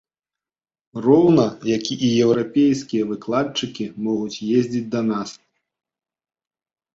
Роўна як і еўрапейскія выкладчыкі могуць ездзіць да нас.